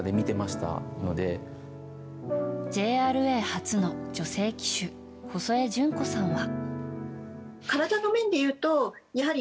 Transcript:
ＪＲＡ初の女性騎手細江純子さんは。